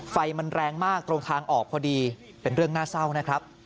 ไฟมันแรงมากตรงทางออกพอดีเป็นเรื่องน่าเศร้านะครับ